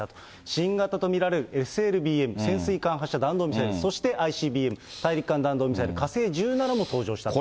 新型と見られるＳＬＢＭ・潜水艦発射弾道ミサイル、そしてＩＣＢＭ・大陸間弾道ミサイル、火星１７も登場したと。